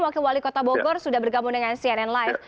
wakil wali kota bogor sudah bergabung dengan cnn live